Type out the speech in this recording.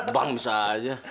bang bisa aja